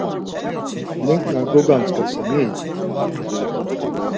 Neǩna gogantzasen-i?